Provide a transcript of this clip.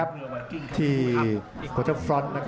อัศวินาศาสตร์